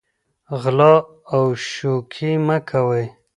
غلا او شوکې مه کوئ.